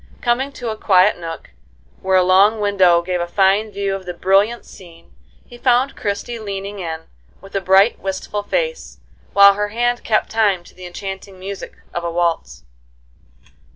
Coming to a quiet nook, where a long window gave a fine view of the brilliant scene, he found Christie leaning in, with a bright, wistful face, while her hand kept time to the enchanting music of a waltz.